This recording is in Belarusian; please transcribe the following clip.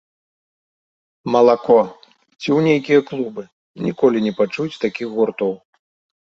Малако, ці ў нейкія клубы, ніколі не пачуюць такіх гуртоў.